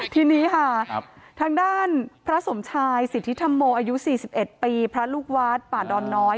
ที่นี้ค่ะครับทางด้านพระสมชายสิทธิธมโมอายุสี่สิบเอ็ดปีพระลูกวัดป่าดอนน้อย